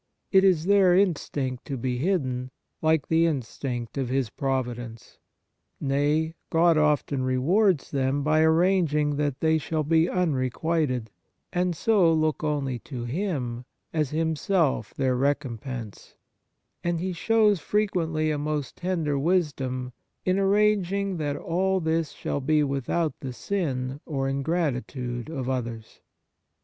It is their instinct to be hidden, like the instinct of His providence. Nay, God often rewards them by arranging that they shall be unrequited, and so look only to Him as Himself their recompense ; and He shows frequently a most tender wisdom in arranging that all this shall be without the sin or ingratitude of others.